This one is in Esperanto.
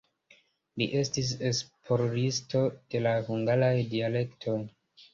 Li estis esploristo de la hungaraj dialektoj.